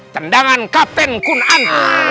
tendangan kapten kunan